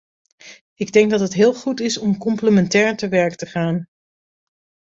Ik denk dat het heel goed is om complementair te werk te gaan.